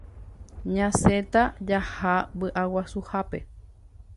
Ñasẽta jaha vy'aguasuhápe